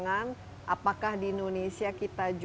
akan memiliki kekuatan